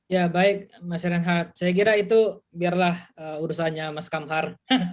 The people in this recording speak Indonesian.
ya baik mas renhat saya kira itu biarlah urusannya mas kamhar